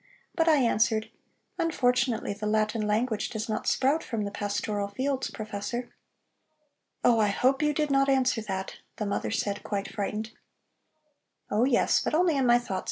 But I answered: 'Unfortunately the Latin language does not sprout from the pastoral fields, professor.'" "Oh, I hope you did not answer that," the mother said, quite frightened. "Oh yes, but only in my thoughts!